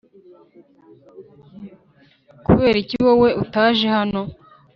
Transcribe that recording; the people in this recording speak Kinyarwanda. kuberiki wowe utaje hano